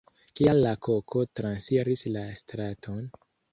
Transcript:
Kial la koko transiris la straton?